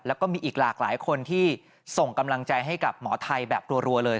แล้วก็มีอีกหลากหลายคนที่ส่งกำลังใจให้กับหมอไทยแบบรัวเลย